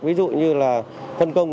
ví dụ như là phân công